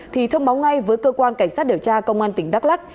thì thông báo ngay với cơ quan cảnh sát điều tra công an tỉnh đắk lắc